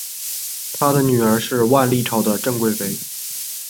他的女儿是万历朝的郑贵妃。